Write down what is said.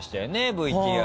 ＶＴＲに。